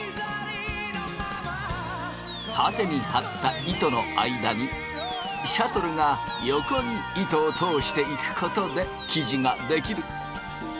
縦に張った糸の間にシャトルが横に糸を通していくことで生地が出来る。